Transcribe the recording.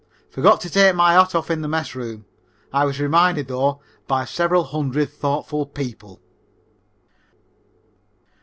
Forgot to take my hat off in the mess room. I was reminded, though, by several hundred thoughtful people.